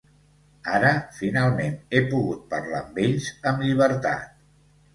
Ara, finalment he pogut parlar amb ells amb llibertat.